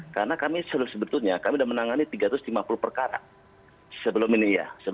karena kami sudah menangani tiga ratus lima puluh perkara sebelum ini